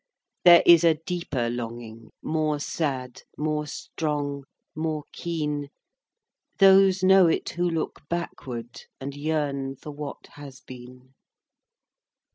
There is a deeper longing, More sad, more strong, more keen: Those know it who look backward, And yearn for what has been.